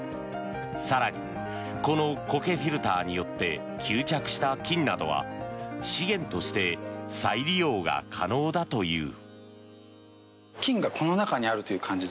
更にこのコケフィルターによって吸着した金などは資源として再利用が可能だという。